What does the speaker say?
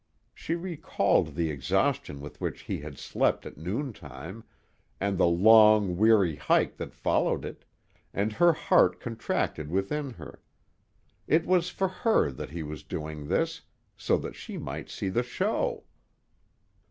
She recalled the exhaustion with which he had slept at noontime, and the long, weary hike that followed it, and her heart contracted within her. It was for her that he was doing this, so that she might see the show!